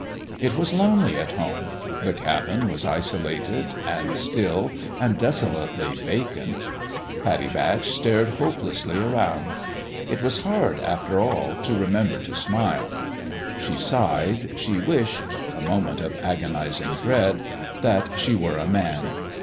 It was lonely at home ; the cabin was isolated, and still, and desolately vacant. Pattie Batch stared hopelessly around. It was hard, after all, to remember to smile. She sighed ; she wished a moment of agonizing dread that she were a man.